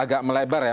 agak melebar ya